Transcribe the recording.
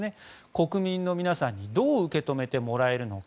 国民の皆さんにどう受け止めてもらえるのか。